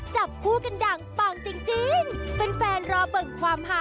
รอดหน้าของมันคุ้ม